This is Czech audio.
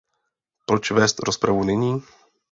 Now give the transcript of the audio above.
Proč vést rozpravu nyní?